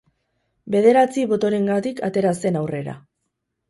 Bederatzi botorengatik atera zen aurrera.